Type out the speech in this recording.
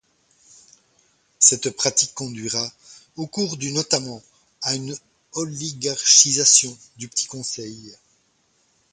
Cette pratique conduira au cours du notamment à une oligarchisation du Petit Conseil.